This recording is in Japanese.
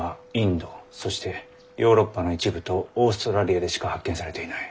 そしてヨーロッパの一部とオーストラリアでしか発見されていない。